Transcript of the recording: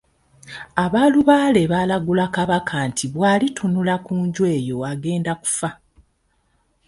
Abalubaale baalagula Kabaka nti bw'alitunula ku nju eyo agenda kufa.